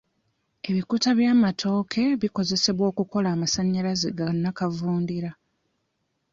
Ebikuta by'amatooke bikozesebwa okukola amasannyalaze ga nnakavundira.